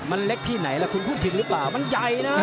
มันเล็กที่ไหนอะไรคุณพูดผิดหรือเปล่า